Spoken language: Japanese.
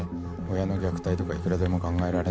親の虐待とかいくらでも考えられんだろ。